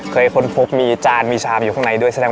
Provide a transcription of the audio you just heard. เกยคนพบมีจานมีชามอยู่กลางในด้วย